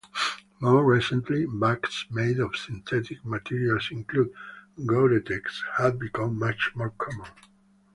More recently, bags made of synthetic materials including Gore-Tex have become much more common.